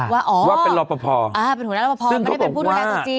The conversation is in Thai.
ว่าเป็นหัวหน้ารอปภซึ่งเขาบอกว่า